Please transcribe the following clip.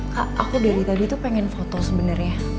kak aku dari tadi tuh pengen foto sebenarnya